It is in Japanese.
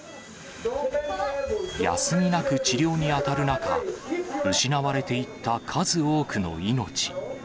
休みなく治療に当たる中、失われていった数多くの命。